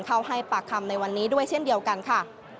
ให้ปากคำในวันนี้ด้วยเช่นเดียวกันค่ะ